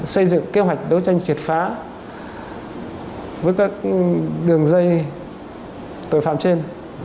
xây dựng kế hoạch đấu tranh triệt phá với các đường dây tội phạm trên